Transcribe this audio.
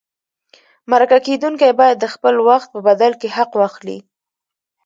مرکه کېدونکی باید د خپل وخت په بدل کې حق واخلي.